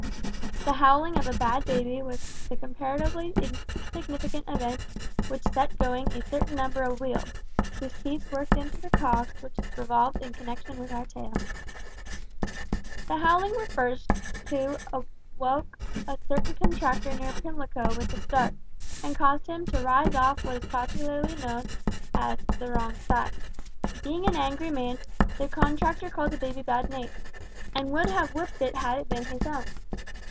The howling of a bad baby was the comparatively insignificant event which set going a certain number of wheels, whose teeth worked into the cogs which revolved in connection with our tale. The howling referred to awoke a certain contractor near Pimlico with a start, and caused him to rise off what is popularly known as the "wrong side." Being an angry man, the contractor called the baby bad names, and would have whipped it had it been his own.